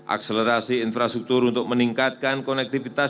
akselerasi infrastruktur untuk meningkatkan konektivitas